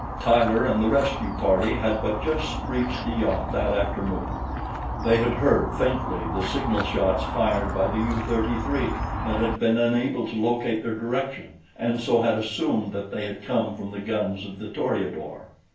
Tyler and the rescue party had but just reached the yacht that afternoon. They had heard, faintly, the signal shots fired by the U 33 but had been unable to locate their direction and so had assumed that they had come from the guns of the Toreador.